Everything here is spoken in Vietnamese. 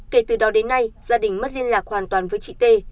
kể từ đó đến nay gia đình mất liên lạc hoàn toàn với chị t